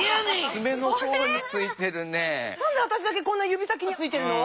なんでわたしだけこんなゆび先についてるの？